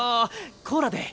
コーラで。